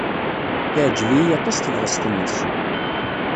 Teɛjeb-iyi aṭas tebɣest-nnes.